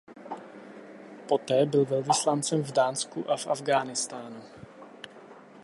Poté byl velvyslancem v Dánsku a v Afghánistánu.